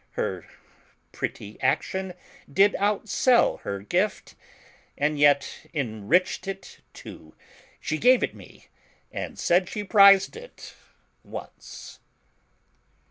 Her pretty action did outsell her gift, and yet enriched it too. She gave it me, and said she prized it once."